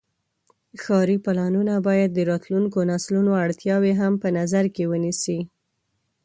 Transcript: ښاري پلانونه باید د راتلونکو نسلونو اړتیاوې هم په نظر کې ونیسي.